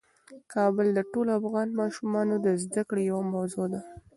کابل د ټولو افغان ماشومانو د زده کړې یوه موضوع ده.